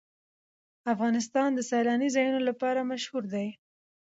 افغانستان د سیلانی ځایونه لپاره مشهور دی.